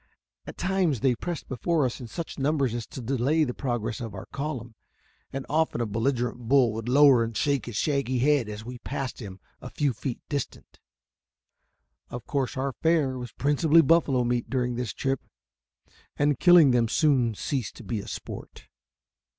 At times they pressed before us in such numbers as to delay the progress of our column, and often a belligerent bull would lower and shake his shaggy head at us as we passed him a few feet distant. Of course our fare was principally buffalo meat during this trip, and killing them soon ceased to be a sport.